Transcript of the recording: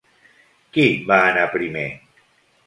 Qui va anar primer?